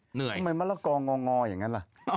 เหนื่อยทำไมมาละกองงอย่างน่ะล่ะ